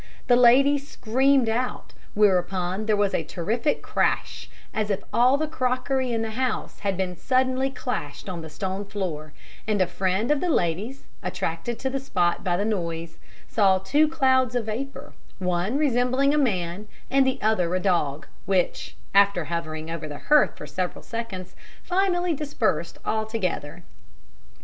The lady screamed out, whereupon there was a terrific crash, as if all the crockery in the house had been suddenly clashed on the stone floor; and a friend of the lady's, attracted to the spot by the noise, saw two clouds of vapour, one resembling a man and the other a dog, which, after hovering over the hearth for several seconds, finally dispersed altogether.